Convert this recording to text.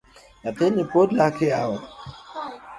Nyathini pod lak yawa